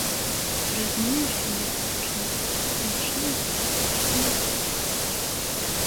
Разумею, што нешта пачынаецца, а машына за мной яшчэ не прыехала.